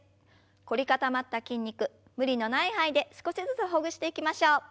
凝り固まった筋肉無理のない範囲で少しずつほぐしていきましょう。